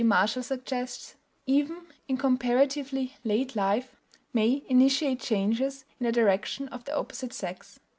Marshall suggests, "even in comparatively late life, may initiate changes in the direction of the opposite sex."